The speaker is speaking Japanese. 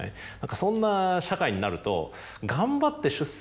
そんな社会になると。